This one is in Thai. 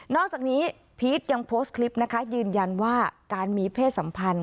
อกจากนี้พีชยังโพสต์คลิปนะคะยืนยันว่าการมีเพศสัมพันธ์